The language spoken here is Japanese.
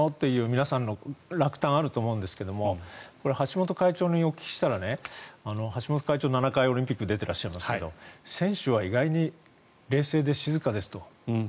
皆さんの落胆もあると思うんですけど橋本会長にお聞きしたら橋本会長は７回オリンピックに出ていらっしゃいますが選手は意外に冷静で静かですと。